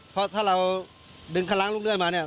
เพราะถ้าเราดึงข้างล้างลูกเรื่อยมาเนี่ย